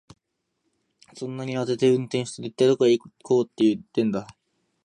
そんなに慌てて運転して、一体どこへ行こうってんだよ。